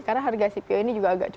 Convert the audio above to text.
karena harga cpo ini juga agak cukup